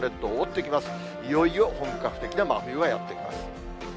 いよいよ本格的な真冬がやって来ます。